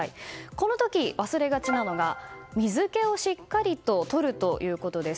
この時、忘れがちなのが水けをしっかりとることです。